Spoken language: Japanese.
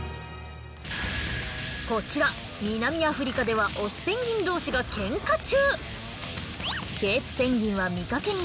こちら南アフリカではオスペンギン同士がケンカ中。